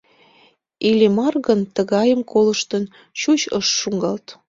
Иллимар гын, тыгайым колыштын, чуч ыш шуҥгалт.